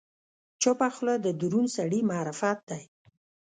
چپه خوله، د دروند سړي معرفت دی.